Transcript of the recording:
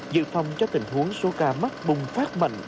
dự phòng cho tình huống số ca mắc bùng phát mạnh